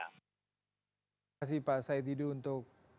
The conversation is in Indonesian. terima kasih pak said didu untuk